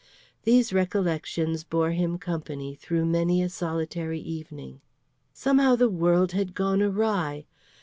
These recollections bore him company through many a solitary evening. Somehow the world had gone awry.